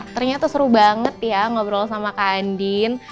ternyata seru banget ya ngobrol sama kak andien